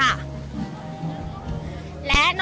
อาจจะออกมาใช้สิทธิ์กันแล้วก็จะอยู่ยาวถึงในข้ามคืนนี้เลยนะคะ